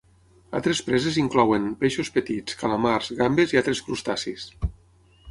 Altres preses inclouen: peixos petits, calamars, gambes i altres crustacis.